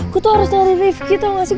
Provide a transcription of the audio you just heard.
gue tuh harus nolong rifqi tau nggak sih